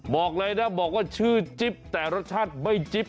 บอกเลยนะบอกว่าชื่อจิ๊บแต่รสชาติไม่จิ๊บ